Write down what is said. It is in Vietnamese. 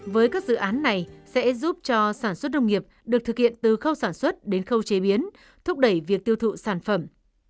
với các dự án này sẽ giúp cho sản xuất nông nghiệp được thực hiện từ khâu sản xuất đến khâu chế biến thúc đẩy việc tiêu thụ sản phẩm